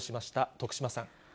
徳島さん。